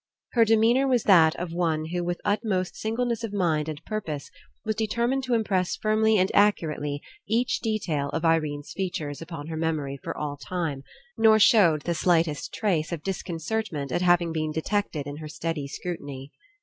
Her demeanour was that of one who with utmost singleness of mind and purpose was determined to impress firmly and accu rately each detail of Irene's features upon her memory for all time, nor showed the slightest trace of disconcertment at having been detected in her steady scrutiny.